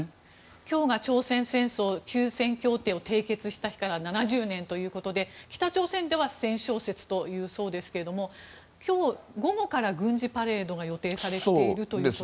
今日が朝鮮戦争休戦協定を締結した日から７０年ということで北朝鮮では戦勝節というそうですが今日午後から軍事パレードが予定されていると。